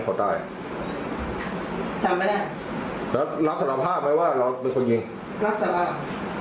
แล้วลับศาลภาพไม่ว่าเราเป็นคนยิงศาลภาพ